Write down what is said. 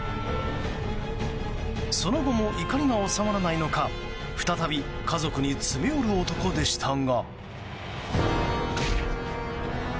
その後も怒りが収まらないのか再び家族に詰め寄る男でしたが。